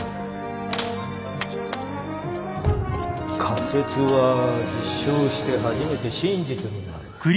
仮説は実証して初めて真実になる。